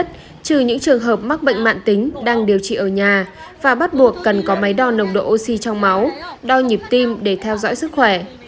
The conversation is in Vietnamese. trừ những trường hợp mắc bệnh mạng tính đang điều trị ở nhà và bắt buộc cần có máy đo nồng độ oxy trong máu đo nhịp tim để theo dõi sức khỏe